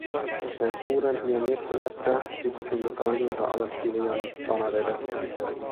Sen suurempia miettimättä, kipusin jo kalliota alas Finian vanavedessä.